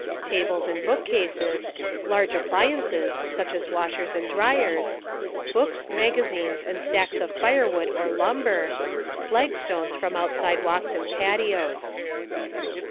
Tables and bookcases. Large appliances (such as washers and dryers). Books, magazines, and stacks of firewood or lumber. Flagstones from outside walks and patios.